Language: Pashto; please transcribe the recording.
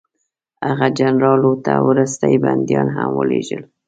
هغه جنرال لو ته وروستي بندیان هم ولېږل.